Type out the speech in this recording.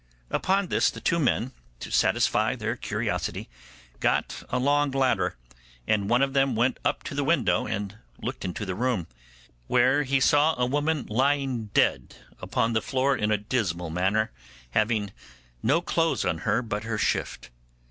Upon this the two men, to satisfy their curiosity, got a long ladder, and one of them went up to the window and looked into the room, where he saw a woman lying dead upon the floor in a dismal manner, having no clothes on her but her shift.